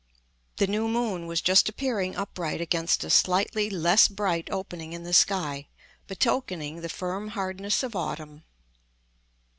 The new moon was just appearing upright against a slightly less bright opening in the sky, betokening the firm hardness of autumn.